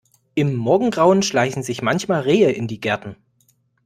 Im Morgengrauen schleichen sich manchmal Rehe in die Gärten.